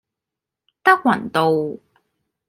德雲道